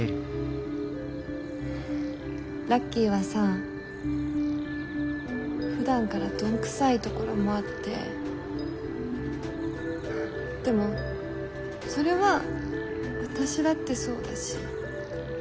ラッキーはさふだんから鈍くさいところもあってでもそれは私だってそうだし。